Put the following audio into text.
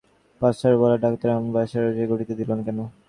পসারওয়ালা doctor, এমন ব্যাপারও সে ঘটিতে দিল কেন?